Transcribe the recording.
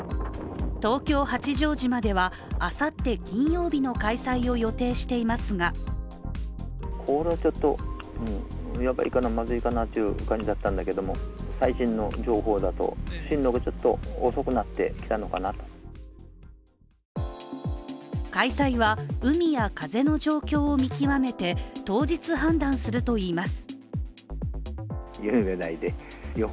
東京・八丈島ではあさって金曜日の開催を予定していますが開催は、海や風の状況を見極めて当日判断するといいます。